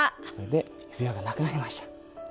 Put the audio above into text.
で指輪がなくなりました。